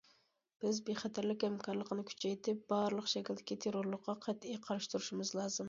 بىز بىخەتەرلىك ھەمكارلىقىنى كۈچەيتىپ، بارلىق شەكىلدىكى تېررورلۇققا قەتئىي قارشى تۇرۇشىمىز لازىم.